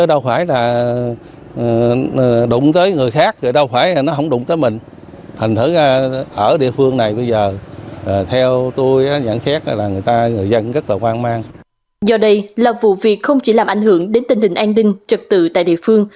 do đây là vụ việc không chỉ làm ảnh hưởng đến tình hình an ninh trật tự tại địa phương